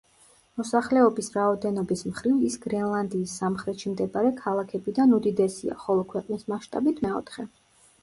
მოსახლეობის რაოდენობის მხრივ ის გრენლანდიის სამხრეთში მდებარე ქალაქებიდან უდიდესია, ხოლო ქვეყნის მასშტაბით მეოთხე.